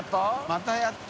またやった？